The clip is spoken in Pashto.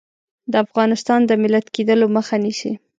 د افغانستان د ملت کېدلو مخه نیسي.